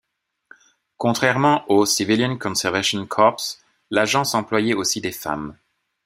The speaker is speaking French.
Contrairement au Civilian Conservation Corps, l'agence employait aussi des femmes.